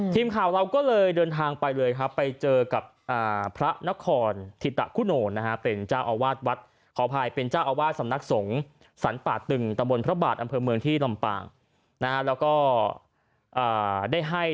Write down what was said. ทีมข่าวเราก็เลยเจอไปเลยครับไปเจอกับภนครทิตะครุหนต์นะฮะ